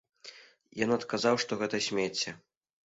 Ён адказаў, што гэта смецце.